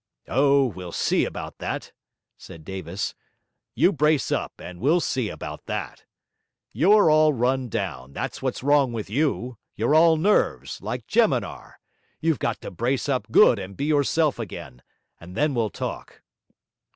'Oh, we'll see about that,' said Davis. 'You brace up, and we'll see about that. You're all run down, that's what's wrong with you; you're all nerves, like Jemimar; you've got to brace up good and be yourself again, and then we'll talk.'